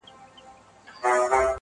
په نارو سول په تحسين سول اولسونه،